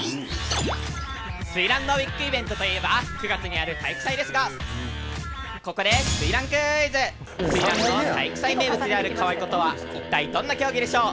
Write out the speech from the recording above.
翠嵐のビッグイベントといえば９月にある体育祭ですがここで翠嵐の体育祭名物である「可愛子」とは一体どんな競技でしょう？